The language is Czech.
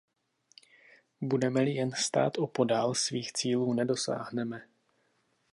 Budeme-li jen stát opodál, svých cílů nedosáhneme.